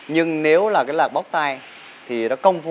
nhưng nếu là cái lạc bóc tay thì nó công vụ